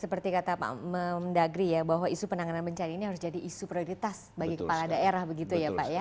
seperti kata pak mendagri ya bahwa isu penanganan bencana ini harus jadi isu prioritas bagi kepala daerah begitu ya pak ya